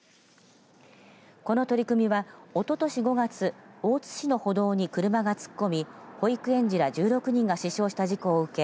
この取り組みは、おととし５月大津市の歩道に車が突っ込み保育園児ら１６人が死傷した事故を受け